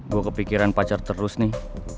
gue kepikiran pacar terus nih